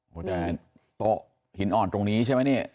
โอ้โหแต่โต๊ะหินอ่อนตรงนี้ใช่ไหมเนี่ย